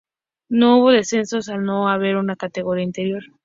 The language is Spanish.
No hubo descensos al no haber una categoría inferior.